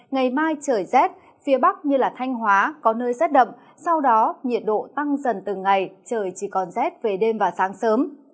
ngày mai trời rét phía bắc như thanh hóa có nơi rét đậm sau đó nhiệt độ tăng dần từng ngày trời chỉ còn rét về đêm và sáng sớm